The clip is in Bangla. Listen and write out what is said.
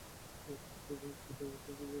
তুমি তো বিনা প্রতিদ্বন্দ্বীতায়ই জয়ী হবে।